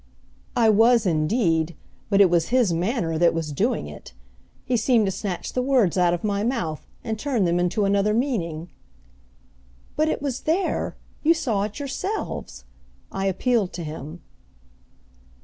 I was indeed; but it was his manner that was doing it. He seemed to snatch the words out of my mouth, and turn them into another meaning. "But it was there! you saw it yourselves!" I appealed to him.